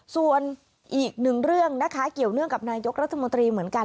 ส่วนอีกหนึ่งเรื่องนะคะเกี่ยวเนื่องกับนายกรัฐมนตรีเหมือนกัน